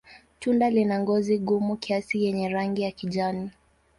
Tunda lina ngozi gumu kiasi yenye rangi ya kijani.